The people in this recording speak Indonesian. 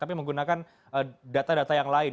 tapi menggunakan data data yang lain